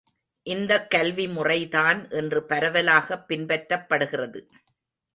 இந்தக் கல்வி முறை தான் இன்று பரவலாகப் பின்பற்றப்படுகிறது.